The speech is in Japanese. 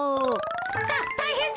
たたいへんだ。